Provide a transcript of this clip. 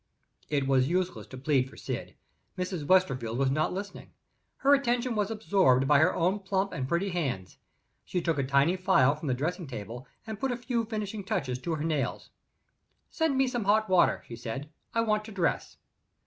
It was useless to plead for Syd Mrs. Westerfield was not listening. Her attention was absorbed by her own plump and pretty hands. She took a tiny file from the dressing table, and put a few finishing touches to her nails. "Send me some hot water," she said; "I want to dress."